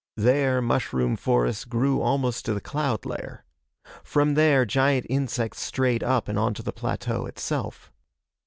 There, mushroom forests grew almost to the cloud layer. From there, giant insects strayed up and onto the plateau itself.